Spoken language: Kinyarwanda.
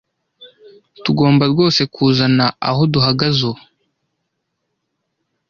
Tugomba rwose kuzana aho duhagaze ubu,